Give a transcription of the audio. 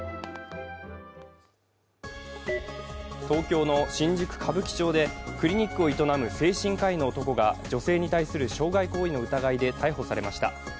東京の新宿・歌舞伎町でクリニックを営む精神科医の男が女性に対する障害行為の疑いで、逮捕されました。